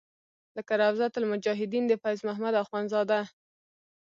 لکه روضة المجاهدین د فیض محمد اخونزاده.